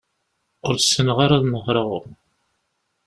Ur ssineɣ ara ad nehreɣ.